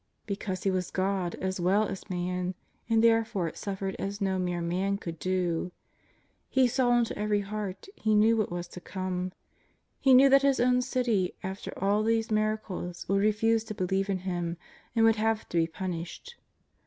Because He was God as well as man, and therefore suffered as no mere man could do. He saw into every heart. He knew what was to come. He knew that His own city after all these miracles would refuse to believe in Him and would have to be punished.